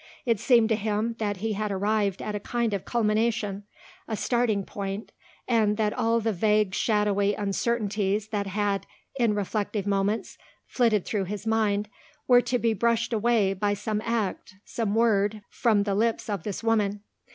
It seemed to him that he had arrived at a kind of culmination, a starting point, and that all the vague shadowy uncertainties that had, in reflective moments, flitted through his mind, were to be brushed away by some act, some word, from the lips of this woman.